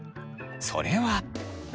それは。